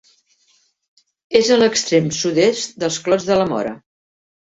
És a l'extrem sud-est dels Clots de la Móra.